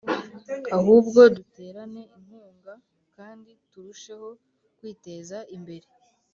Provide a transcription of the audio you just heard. ahubwo duterane inkunga kandi turusheho kwiteza imbere